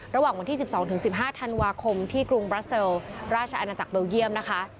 ระหว่างวันที่๑๒๑๕ธันวาคมที่กรุงบราเซลราชอาณาจักรเบลเยี่ยมนะคะ